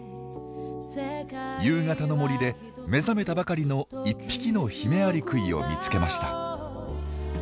夕方の森で目覚めたばかりの１匹のヒメアリクイを見つけました。